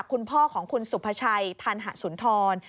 คุณพ่อของคุณสุภาชัยธันหสุนทร